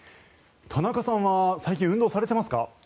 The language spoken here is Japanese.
田中さんは最近運動されていますか？